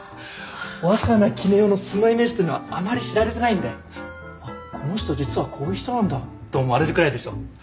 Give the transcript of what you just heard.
若菜絹代の素のイメージってのはあまり知られてないんで「あっこの人実はこういう人なんだ」と思われるぐらいでしょ。